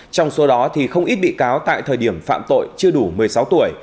trong số đó thì không ít bị cáo tại thời điểm phạm tội chưa đủ một mươi sáu tuổi